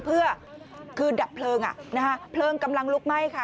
เพื่อคือดับเพลิงเพลิงกำลังลุกไหม้ค่ะ